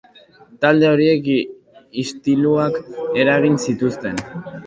Talde horiek istiluak eragin zituzten.